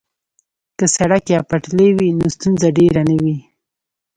که سړک یا پټلۍ وي نو ستونزه ډیره نه وي